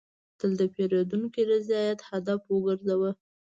تل د پیرودونکي رضایت هدف وګرځوه.